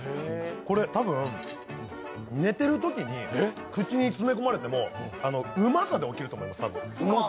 これ、多分寝てるときに口に詰め込まれてもうまさで起きると思う。